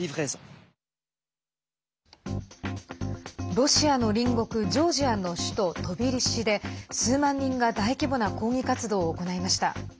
ロシアの隣国ジョージアの首都トビリシで数万人が大規模な抗議活動を行いました。